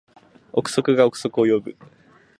憶測が憶測を呼ぶ